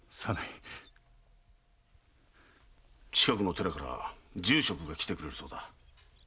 近くの寺から住職が来てくれるそうだ。